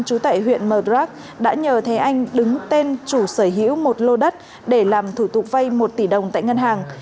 chú tại huyện mờc đã nhờ thế anh đứng tên chủ sở hữu một lô đất để làm thủ tục vay một tỷ đồng tại ngân hàng